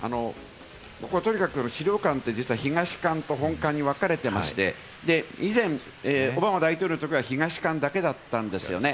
とにかく資料館って東館と本館にわかれてまして、以前オバマ大統領のときは東館だけだったんですよね。